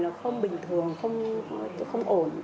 nó không bình thường không ổn